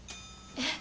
え？